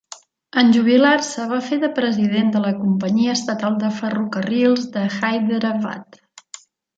En jubilar-se, va fer de president de la companyia estatal de ferrocarrils d'Hyderabad.